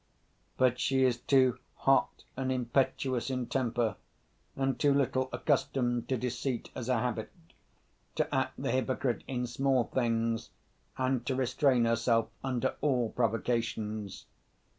But she is too hot and impetuous in temper, and too little accustomed to deceit as a habit, to act the hypocrite in small things, and to restrain herself under all provocations.